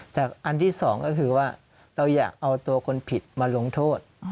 แต่อันที่สองก็คือว่าเราอยากเอาตัวคนผิดมาลงโทษ